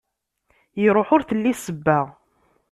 Iruḥ ur telli ssebba.